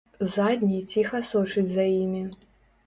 Задні ціха сочыць за імі.